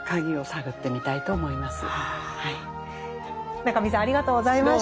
中見さんありがとうございました。